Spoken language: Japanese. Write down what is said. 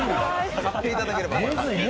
勝っていただければ。